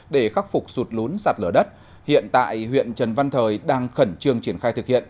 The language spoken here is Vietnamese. để khắc phục sụt lún sạt lở đất hiện tại huyện trần văn thời đang khẩn trương triển khai thực hiện